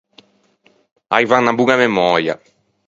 Aivan unna boña memöia.